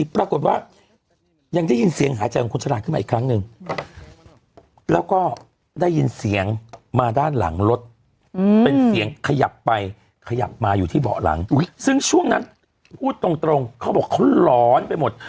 เป็นเสียงขยับไปขยับมาอยู่ที่เบาะหลังซึ่งช่วงนั้นพูดตรงเขาบอกคนร้อนไปหมด